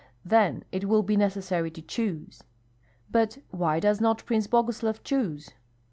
Then it will be necessary to choose." "But why does not Prince Boguslav choose?"